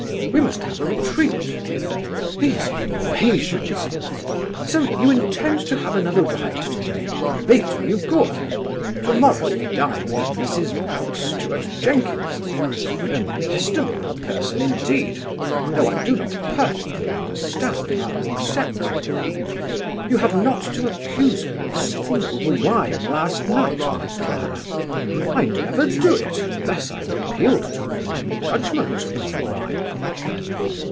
We must have a retreat. These invasions! So you intend to have another ride to day? They do you good. To morrow we dine with Mrs. Mountstuart Jenkinson, an estimable person indeed, though I do not perfectly understand our accepting. You have not to accuse me of sitting over wine last night, my Clara! I never do it, unless I am appealed to for my judgement upon a wine."